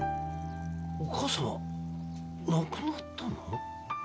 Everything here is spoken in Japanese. お母様亡くなったの？